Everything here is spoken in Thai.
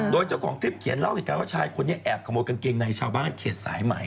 โดยเจ้าของคลิปเขียนเล่าเหตุการณ์ว่าชายคนนี้แอบขโมยกางเกงในชาวบ้านเขตสายใหม่